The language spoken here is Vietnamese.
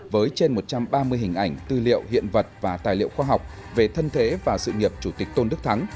với trên một trăm ba mươi hình ảnh tư liệu hiện vật và tài liệu khoa học về thân thế và sự nghiệp chủ tịch tôn đức thắng